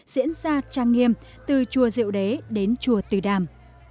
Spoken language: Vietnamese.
diễn ra trang nghiêm từ chùa diệu đế đến chùa từ đàm